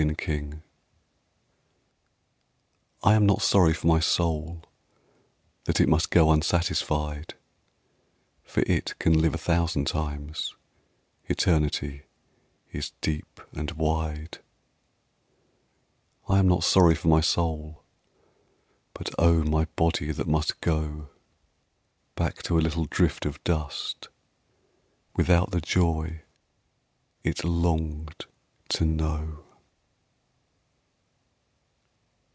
LONGING I AM not sorry for my soul That it must go unsatisfied, For it can live a thousand times, Eternity is deep and wide. I am not sorry for my soul, But oh, my body that must go Back to a little drift of dust Without the joy it longed to know.